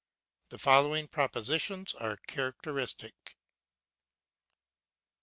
The following propositions are characteristic: 1.